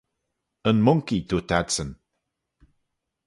Yn Monkey, dooyrt adsyn.